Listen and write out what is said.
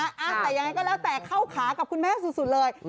แต่ยังไงก็แล้วแต่เข้าขากับคุณแม่สุดเลย